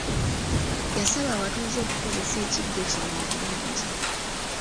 Yasaba abatuuze okukozesa ekigo kino obulungi.